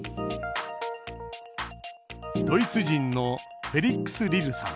ドイツ人のフェリックス・リルさん。